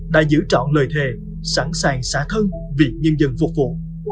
đã giữ trọn lời thề sẵn sàng xả thân vì nhân dân phục vụ